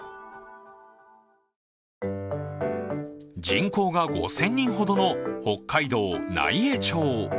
人口が５０００人ほどの北海道奈井江町。